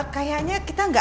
kayaknya kita gak jadi